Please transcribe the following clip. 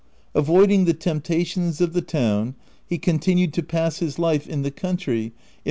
Avoiding the temptations of the town, he continued to pass his life in the country im OF WILDFELL HALL.